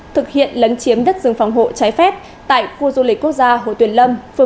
thực hiện lấn chiếm đất dương phòng hộ trái phép tại khu du lịch quốc gia hồ tuyệt lâm